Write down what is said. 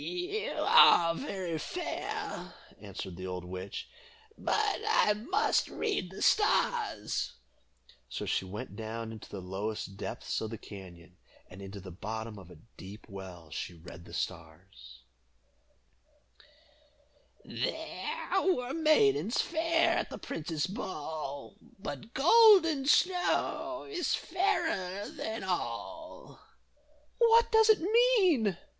'" "You are very fair," answered the old witch, "but I must read the stars." So she went down into the lowest depths of the cañon, and in the bottom of a deep well she read the stars: "There were maidens fair at the prince's ball, But Golden Snow is fairer than all." "What does it mean?"